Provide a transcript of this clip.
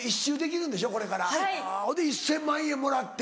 ほんで１０００万円もらって。